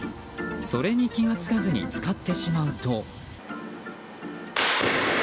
それに気が付かずに使ってしまうと。